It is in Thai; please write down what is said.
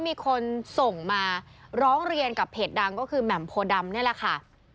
มีคนส่งมาร้องเรียนกับเพจดังก็คือแหม่มโพดำนี่แหละค่ะ